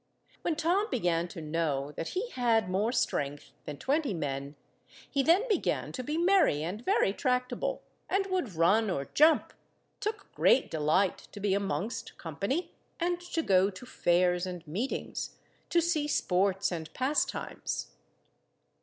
When Tom began to know that he had more strength than twenty men, he then began to be merry and very tractable, and would run or jump; took great delight to be amongst company, and to go to fairs and meetings, to see sports and pastimes.